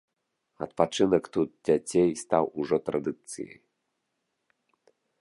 Адпачынак тут дзяцей стаў ужо традыцыяй.